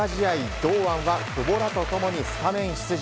堂安は久保らと共にスタメン出場。